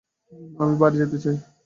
আমি বাড়ি যেতে চাই।